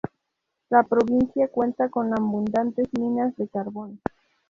La provincia cuenta con abundantes minas de carbón.